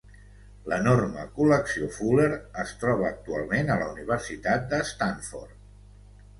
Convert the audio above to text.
L'enorme col·lecció Fuller es troba actualment a la Universitat de Stanford.